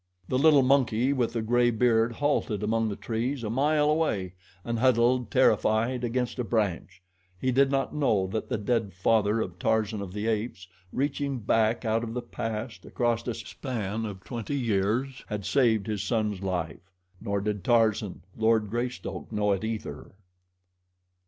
The little monkey with the gray beard halted among the trees a mile away and huddled, terrified, against a branch. He did not know that the dead father of Tarzan of the Apes, reaching back out of the past across a span of twenty years, had saved his son's life. Nor did Tarzan, Lord Greystoke, know it either.